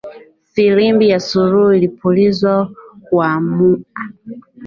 Filimbi ya suluhu inapulizwa kuwaamua!